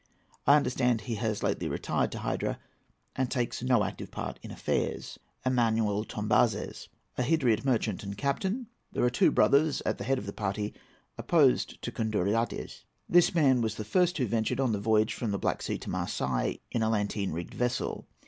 I understand he has lately retired to Hydra, and takes no active part in affairs. EMANUEL TOMBAZES.—A Hydriot merchant and captain. There are two brothers, at the head of the party opposed to Konduriottes. This man was the first who ventured on the voyage from the Black Sea to Marseilles in a latteen rigged vessel.